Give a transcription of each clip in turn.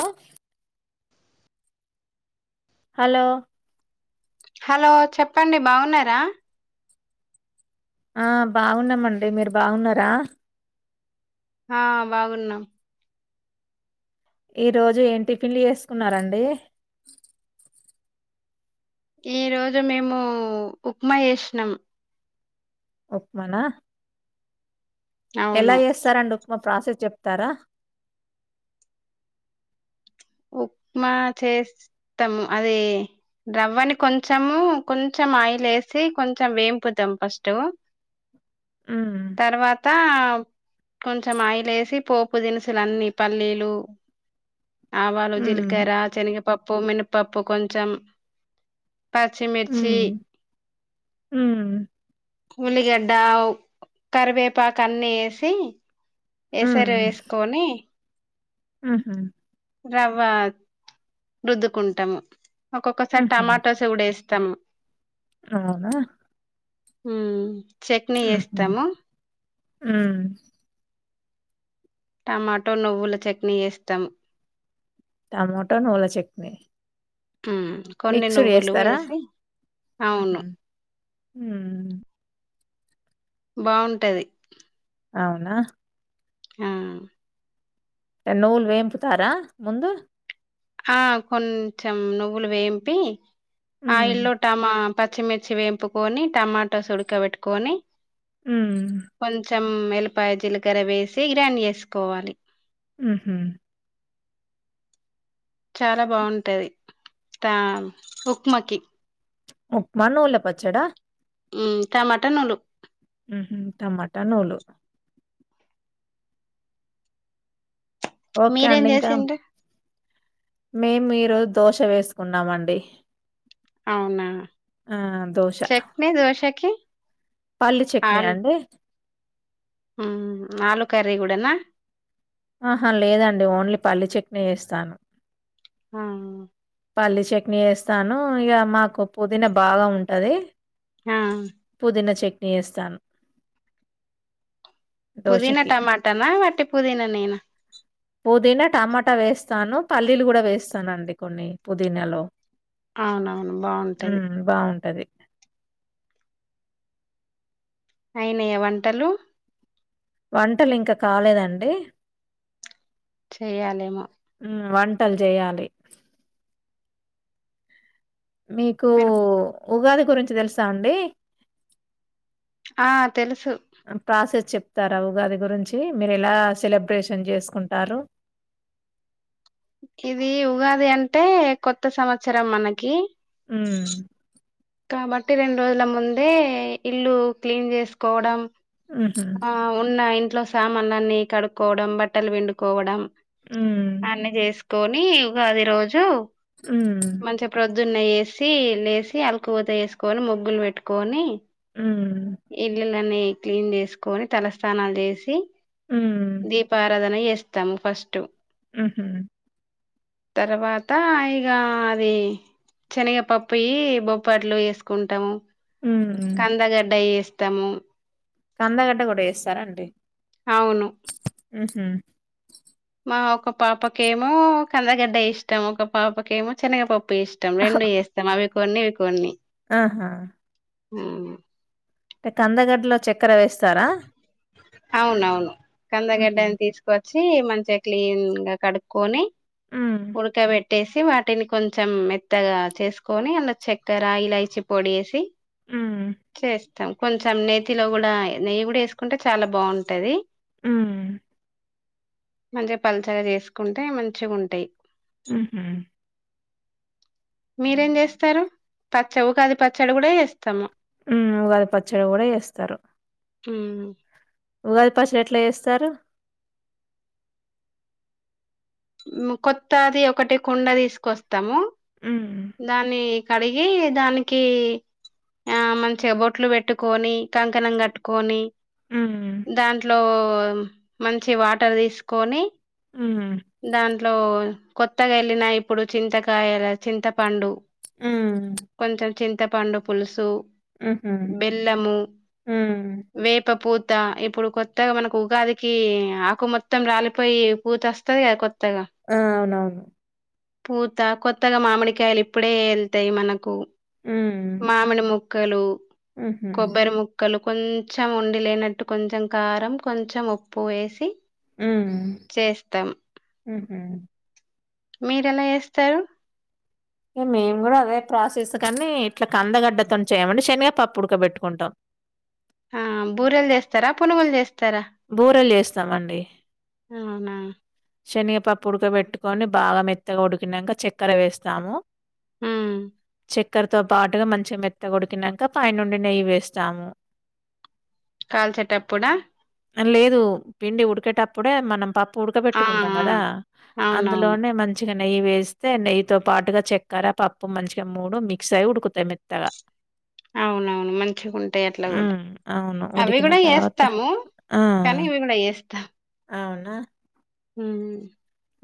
ఆహ్ hello hello చెప్పండి బాగున్నారా ఆ బాగున్నామండి మీరు బాగున్నారా ఆ బాగున్నాం ఈ రోజు ఏం టిఫిన్లు చేస్కున్నారండి ఈ రోజు మేము ఉప్మా ఏస్నం ఉక్మానా ఎలా అవును చేస్తరండిడుక్మా ప్రాసెస్ చెప్తారా ఉక్మా చేస్తాం అదీ రవ్వని కొంచెము కొంచెం ఆయిలేసి కొంచెం వేంపుతం ఫస్టు ఉమ్ తర్వాత కొంచెం ఆయిలేసి పోపు దినుసులన్నీ పల్లీలు ఆవాలు ఉమ్ జీలకర శనగపప్పు మిన్పప్పు కొంచెం పచ్చిమిర్చీ ఉమ్ ఉమ్ ఉల్లిగడ్డ కరివేపాకన్ని వేసి ఏసర వేస్కొని ఆ రవ్వ రుద్దుకుంటము ఒక్కొక్కసారి టమాటోస్కుడేస్తాము అవ్నా ఉహ్ చెక్ని ఏస్తము ఉమ్ టమాటో నువ్వుల చట్నీ చేస్తం టమటో నువ్వుల చట్నీ ఉమ్, కొన్ని మిక్స్డు నువ్వులు ఏస్తరా వేసి హుహ్ అవును ఉమ్ బావుంటది ఔనా ఆ నువ్వుల్ వేంపుతారా ముందు ఆ కొంచెం నువ్వులు వేంపి ఉమ్ ఆయిల్లో టమా పచ్చిమిర్చి వేంపుకొని టమాటస్ ఉడక పేట్టుకోని ఉమ్ మ్ ఎల్లిపాయ జీలకర వేసి ఇరాన్ ఎస్కోవాలి ఉహ్మ్ చాలా బావుంటది తా ఉప్మాకి ఉప్మ నువ్ల పచ్చడా ఉమ్ టమాటనోలు ఊహుమ్ టమాటా నోలు మీరేం జేసిండ్రు మేం ఈరోజు దోశ వేసుకున్నామండి అవునా ఆ! చట్నీ దోశకి పల్లీ చట్నీ అండి ఉమ్ ఆలూ కర్రీ గుడనా ఆహా లేదండి ఓన్లీ పల్లీ చట్నే చేస్తాను ఆ పల్లీ చట్నీ ఏస్తాను ఇగ మకూ పుదీనా బాగా ఉంటది ఆ పుదినా చట్నీ ఏస్తాను పుదీనా టమాటానా వట్టి పుదీనానేనా పుదీనా టమాటా వేస్తాను పల్లీలు గుడా వేస్తానండి కొన్ని పుదీనాలో అవునవును బాగుంటది ఉమ్ బావుంటది ఐనయా వంటలు వంటలింక కాలేదండి చెయ్యాలెమో మ్ వంటల్ జెయ్యాలీ మీకు మీరు ఉగాది గురించి దెలుసా అండి ఆ తెలుసు చెపరా ఉగాది గురించి మీరెలా సెలబ్రేషన్ జేస్కుంటారు కివి ఉగాది అంటే కొత్త సంవత్సరం మనకి ఉమ్ కాబట్టి రెండ్రోజుల ముందే ఇల్లు క్లీన్ చేస్కోవడం హుహు. ఆ ఉన్న ఇంట్లో సామాన్లన్నీ కడుక్కోవడం బట్టలు పిండుకోవడం హ్మ్. అన్నీ జేస్కోనీ ఉగాది రోజు ఉమ్ పొద్దున్నేసి లేసి అలుకూవూత ఏస్కోని ముగ్గులు వెట్టుకోని హ్మ్. ఇల్లులనీ క్లీన్ జేస్కోనీ తల స్నానాల్ జేశీ హ్మ్. దీపారాధన ఎస్తాం ఫస్ట్ ఉహ్మ్ తరవాత ఇగా అది చనగ పప్పియీ బొప్పట్లు ఏస్కుంటము ఉమ్ ఏస్తము కందగడ్డ గుడ ఏస్తారా అండి అవును ఉమ్ హ్ మా ఒక పాపకేమో కందగడ్డ ఇష్టము ఒక పాపకేమో చెనగ పప్ప్ ఇష్టం రెండ్ ఏస్తం అవి కొన్ని ఇవి కొన్ని ఆహా ఉమ్ తె కందగడ్లో చెక్ అవునవును హుహు. కందగడ్డని తీసుకో చ్చి మంచిగా క్లీన్ గా కడుక్కొని హ్మ్. ఉడకబెట్ ట్టేసి వాటిని కొంచెం మెత్తగా చేసుకొని అందు చెక్కెర ఇలయిచి పొడి యెసి హ్మ్. చేస్తాం కొంచెం నేతిలో గూడా నెయ్యి గూడా యెసుకుంటే చాలా బావుంటది ఉమ్మ్మ్ మంచిగ పలసాగ చేసుకుంటే మంచిగుంటయ్ హ్మ్ హు మీరేం చేస్తరు పచ్చవు ఉగాది పచ్చడి గూడా చేస్తము ఉమ్ ఉగాది పచ్చడి గూడా చెస్తరు మ్ ఉగాది పచ్చడి ఎట్ల చెస్తరు మ్ కొత్త అది ఒకటి కుండ తీసుకొస్తము హ్మ్. దాన్ని కడిగీ దానికీ ఆహ్ మంచిగ బొట్లు వెట్టుకొని కంకణం గట్టుకొని హ్మ్. దాంట్లో మంచి వాటర్ తీసుకొని హ్మ్. దాంట్లో కొత్తగా ఎళ్ళిన ఇప్పుడు చింతకాయల చింతపండు హ్మ్. కొంచెం చింతపండు పులుసు హుహు. బెల్లము హ్మ్. వేపపూత్ త్త ఇప్పుడు కొత్తగా మనకు ఉగాదికీ ఆకు మొత్తం రాలిపోయి పూత ఒస్తది కత్ ఆ అవునవును పూత కొత్తగా మామిడికాయలు ఇప్పుడే ఎళ్తాయి మనకు మ్ మ్ క్కలు కొబ్బరి ముక్కలు కొంచెం ఉండి లేనట్టు కొంచెం కారం కొంచెం ఉప్పు ఎసి చేస్తం మ్ హు మీరెలా చెస్తరు ఇగ మేము గూడా అదే ప్రాసెస్ కనీ ఇట్ల కందగడ్డతోని చేయమండి శనగా పప్పు ఉడక బెట్టుకుంటం హ బూరెలు చేస్తరా పునుగులు చేస్తరా బూరెలు చేస్తామండి. అవునా పప్పుడక వెట్టుకొని బాగా మెత్తగా ఉడికినంక చెక్కర వేస్తాము ఉమ్ చెక్కరతో పాటుగా మంచిగ మెత్తగ ఉడికినంక పైనుండి నెయ్యి వేస్తాము కాల్చేటప్పుడా లేదు పిండి ఉడికేటప్పుడే మనం ప ప్పుడక ఆ వెట్టుకుంటాం గదా ఆ అవునవును అందులోనే మంచిగ నెయ్యి వేస్తే నెయ్యితో పాటుగా చె చెక్కర పప్పు మంచిగ మూడు మిక్స్ అయి ఉడుకుతయ్ మెత్తగా అవునవును మంచిగుంటయి అట్ల గూడా హ్మ్. అవును. అవి ఉడికిన గూడా తర్వాత చేస్తము ఆ! కానీ ఇవి గూడా చేస్తం అవునా హ్మ్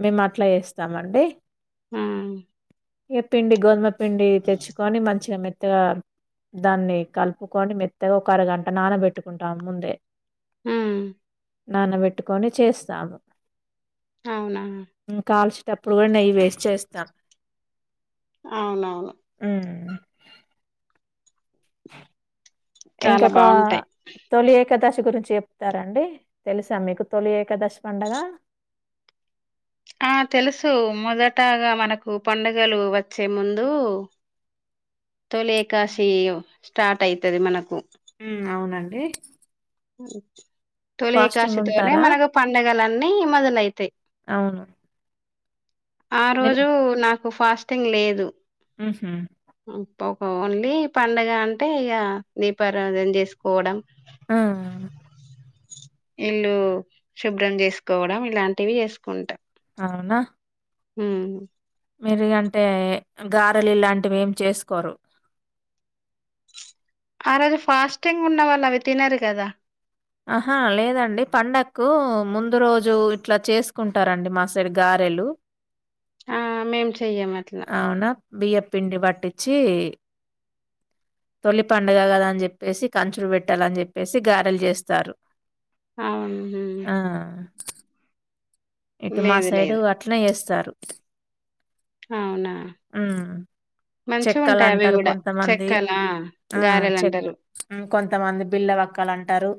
మేము అట్ల చేస్తామండి ఆహ్ ఈ పిండి గోధుమ పిండి తెచ్చుకొని మంచిగ మె త్తగా దాన్ని కలుపుకొని మెత్తగా ఒక అరగంట నానబెట్టుకుంటాం ముందే మ్ నానవెట్టుకొని చేస్తాను అవునా కాల్చిన అపుడు గూడ నెయ్యి వేసి చేస్తాను అవునవును చాలా ఇంకోక బాగుంటాయి తొలిఏక్ ఏకాదశి గురించి చెప్తారండి తెలుసా మీకు తొలి ఏకాదశి పండగా ఆ తెలుసు మొదటగా మనకు పండగలు వచ్చే ముందూ తొలేకాశి స్టార్ట్ అయితది మనకు ఉమ్ అవునండి ఫాస్టింగ్ తొలేకాశితోనే ఉంటారా? మనకు పండగలన్నీ మొదలైతాయ్ అవును. ఆ రోజూ నాకు ఫాస్టింగ్ లేదు ఉంహు ఓహో ఓన్లీ పండగ అంటే ఇగ దీపారాధన చేసుకోడం ఆ ఇల్లు శుభ్రం చేసుకోవడం ఇలాంటివి చేసుకుంటాం అవున ఉమ్ మయ్బె అంటే గారెలు ఇలాంటివేమ్ చేసుకోరు ఆ రోజు ఫాస్టింగ్ ఉన్నవాళ్ళు అవి తినరు కదా ఆహా లేదండి పండక్కూ ముందు రోజు ఇట్లా చేసుకుంటారండి మా సైడ్ గారె రెలు ఆ మేం చెయ్యంమట్లా బియ్యపిండి పట్టిచీ తొలి పండుగ గదని చెప్పేసి కంచులు పెట్టాలని చెప్పేసి గాారెలు చేస్తారు అవునా ఇటు మా సైడు లేదు అట్లనే చేస్తారు అవునా ఉమ్ మంచిగా ఉంటాయి అవి చెక్కలంటరు కూడా కొంతమంది చెక్కలా ఆ గారెలు చెక్ అంటారు కొంత మంది బిల్ల వక్కలంటరు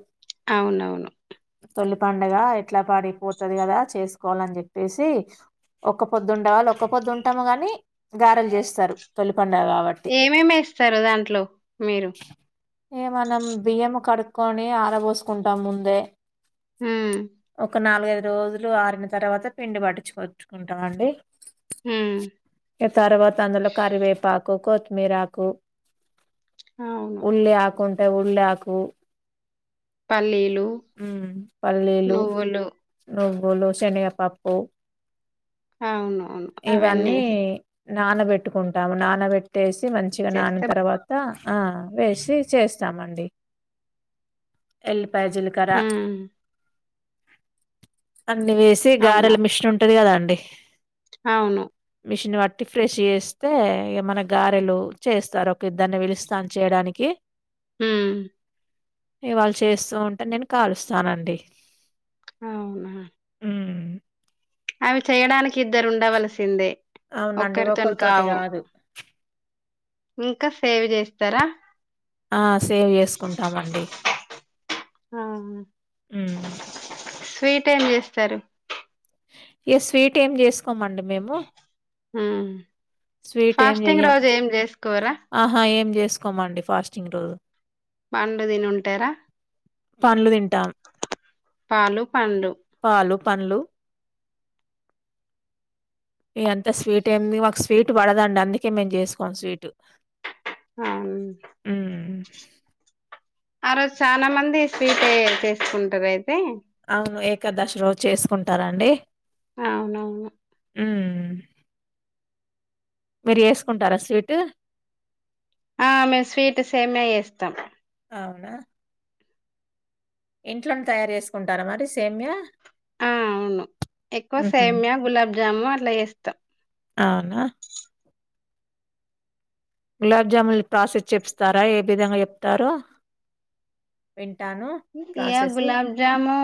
అవునవును పండగా ఎట్లా పడిపోతది కదా చేసుకోవాలని చెప్పేసి ఒక్క పొద్ధుండేవాళ్ళు ఒక్క పొద్దుంటము గాని గారెలు చేస్తారు తొలి పండగ గాబట్టి. ఏమేమేస్తరు దాంట్లో మీరు ఏ మనం బియ్యం కడుకొని ఆరబోసుకుంటాం ముందే ఉమ్ ఒక నాలుగైదురోజులు ఇల్లు ఆరిన తర్వాత పిండి పట్టిచ్చుకొచ్చుకుంటాం అండి ఉమ్ తర్వాత అందులో కరివేపాకు కోత్తిమీరాకు అవును ఉల్లి ఆకుంటే ఉల్లాకు పల్లీలు ఉమ్ పల్లీలు నువ్వులు నువ్వులు శనగపప్పు అవునవును అవన్నీ ఇవన్నీ ఏసి నానబెట్టుకుంటాము నానబెట్టేసి మంచిగా చేస్తే బా- నానిన్తర్వాత ఆ వేసి చేస్తామండి ఎల్ పై జీలకర్ర ఉమ్ అన్ని వేసి అవునా! గారెల మిషన్ ఉంటది కదా అండి అవును మిషన్ బట్టి ఫ్రెష్ చేస్తే ఏమన గారెలు చేస్తారు ఒక ఇద్దరిని విలుస్తాం చేయడానికి ఉమ్ ఇగ వాళ్ళు చేస్తూంటే నేను కాలుస్తానండి. అవునా. ఉమ్. అవి చేయడానికి ఇద్దరు ఉండవలసిందే. అవునండి ఒక్కరితోని ఒకరితోటి కావు. కాదు ఇంకా సేవ్ చేస్తరా ఆ సేవ్ చేసుకుంటామండి ఆ హ్మ్. స్వీట్ ఏం చేస్తరు ఇగ స్వీటు ఏం చేసుకోమండి మేము. స్వీట్ ఏం ఫాస్టింగ్ జెయ్యం. రోజు ఏం చేసుకోరా. ఆహా! ఏం చేసుకోమండి ఫాస్టింగ్ రోజు. పండ్లు తిని ఉంటరా. పండ్లు తింటాం. పాలు పండ్లు. పాలు, ఇగ అంత స్వీటెమ్ ఏంది మాక్స్. స్వీట్ పడదండి అందుకే మేం చేసుకోం స్వీటు. ఆహ్ అవును. హ్మ్. ఆ రోజు చాలా మంది స్వీట్యే చేసుకుంటరు అయితే. అవును ఏకాదశి రోజు చేసుకుంటారండి. అవునవును. ఉమ్ మీరు చేసుకుంటారా స్వీటు. ఆహ్ మేము స్వీటు సేమియా చేస్తాం. అవునా. ఇంట్లోనే తయారు చేసుకుంటార మరి సేమ్యా. ఆహ్ అవును ఎక్కువ హుహు. సేమ్య గులాబ్జాము అట్లా చేస్తాం. అవునా. గులాబ్ జామున్ ప్రాసెస్ చెపిస్తారా ఏ విధంగా చెప్తారో. వింటాను ఇయా ప్రాసెసు. గులాబ్జాము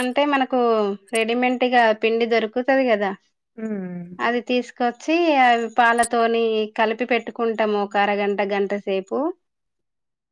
అంటే మనకూ. రెడీమెంట్గా పిండి దొరుకుతది కదా హ్మ్. అది తీసు. కొచ్చి అవి పాలతోని కలిపి పెట్టుకుంటము ఒక అరగంట గంట సేపు. బ్లాంక్